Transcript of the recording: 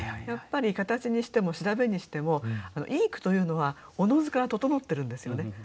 やっぱり形にしても調べにしてもいい句というのはおのずから整ってるんですよね。